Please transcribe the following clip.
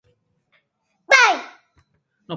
Pair!